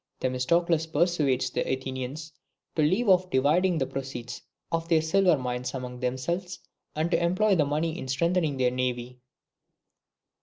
Themistocles persuades the Athenians to leave off dividing the proceeds of their silver mines among themselves, and to employ the money in strengthening their navy.